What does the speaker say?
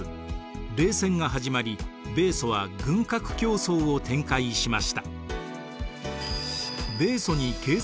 冷戦が始まり米ソは軍拡競争を展開しました。